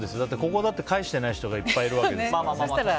ここだって返してない人がいっぱいいるわけですから。